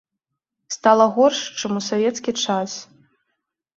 Стала горш, чым у савецкі час.